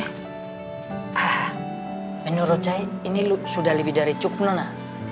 ah menurut saya ini lo sudah lebih dari cukup nona